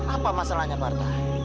apa masalahnya barta